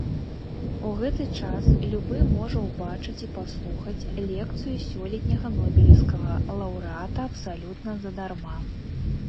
У гэты час любы можа ўбачыць і паслухаць лекцыю сёлетняга нобелеўскага лаўрэата абсалютна задарма.